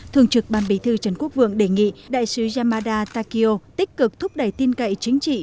thường trực ban bí thư trần quốc vượng đề nghị đại sứ yamada takio tích cực thúc đẩy tin cậy chính trị